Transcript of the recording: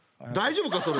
大丈夫か？